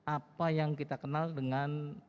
apa yang kita kenal dengan